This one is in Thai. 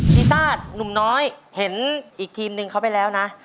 ซีซ่าหนุ่มน้อยเห็นอีกทีมหนึ่งเขาไปแล้วนะ